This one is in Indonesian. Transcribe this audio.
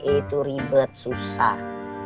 itu ribet susah